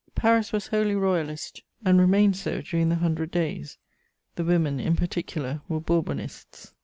Paris was wholly Royalist, and remained so during the Hundred Days. The women in particular were Bourbonists.